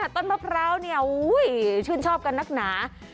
ต้นมะพร้าวชื่นชอบกันนักหนา